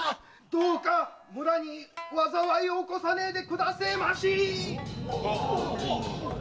どうか村に災いを起こさねえでくだせえまし！